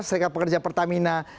serikat pekerja pertamina